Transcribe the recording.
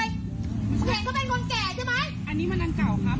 โชคคุณขอดูสลิปมึงอยากเมาแต่มึงไม่ตีตรง